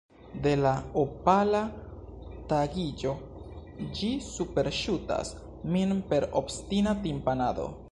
De la opala tagiĝo ĝi superŝutas min per obstina timpanado.